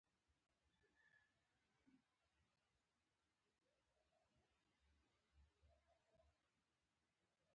حکومت یا محلي شوراګانې باید د سولري پمپونو ثبت.